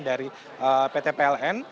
dari pt pln